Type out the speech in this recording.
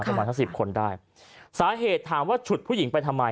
ประมาณสักสิบคนได้สาเหตุถามว่าฉุดผู้หญิงไปทำไม